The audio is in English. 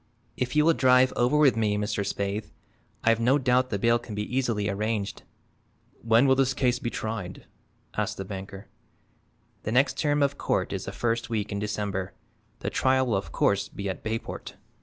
If you will drive over with me, Mr. Spaythe, I've no doubt the bail can be easily arranged." "When will his case be tried?" asked the banker. "The next term of court is the first week in December. The trial will of course be at Bayport."